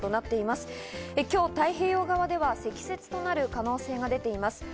今日、太平洋側では積雪となる可能性が出ています。